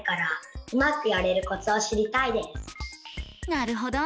なるほど。